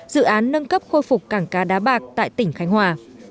dự án nâng cấp khôi phục cảng cá đá bạc tại tỉnh khánh hòa